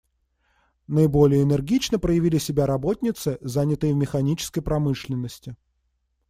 Наиболее энергично проявили себя работницы, занятые в механической промышленности.